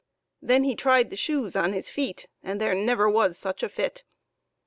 Then he tried the shoes on his feet, and there never was such a fit.